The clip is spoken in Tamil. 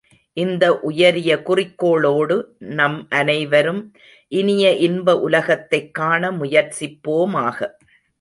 இந்த உயரிய குறிக்கோளோடு நம் அனைவரும் இனிய இன்ப உலகத்தைக் காண முயற்சிப்போமாக.